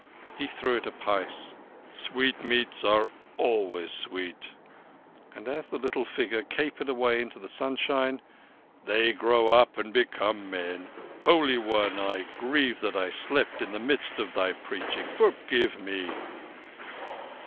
He threw it a pice. "Sweetmeats are always sweet." And as the little figure capered away into the sunshine: "They grow up and become men. Holy One, I grieve that I slept in the midst of thy preaching. Forgive me."